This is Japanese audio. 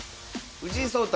藤井聡太